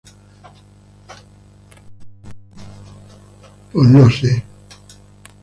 Les Authieux-sur-le-Port-Saint-Ouen